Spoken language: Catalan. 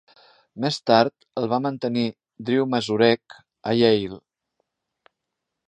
Més tard el va mantenir Drew Mazurek a Yale.